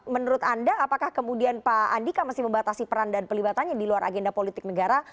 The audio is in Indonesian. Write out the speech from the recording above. menurut anda apakah kemudian pak andika masih membatasi peran dan pelibatannya di luar agenda politik negara